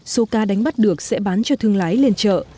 số cá đánh bắt được sẽ bán cho thương lái lên chợ